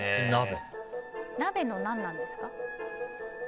鍋の何なんですか？